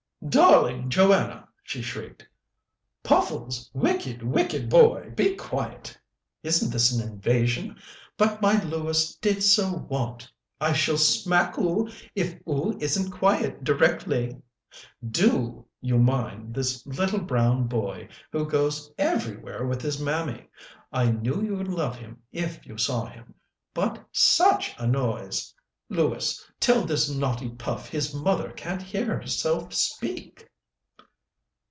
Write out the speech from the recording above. "Darling Joanna!" she shrieked. "Puffles, wicked, wicked boy, be quiet! Isn't this an invasion? But my Lewis did so want I shall smack 'oo if 'oo isn't quiet directly. Do you mind this little brown boy, who goes everywhere with his mammy? I knew you'd love him if you saw him but such a noise! Lewis, tell this naughty Puff his mother can't hear herself speak."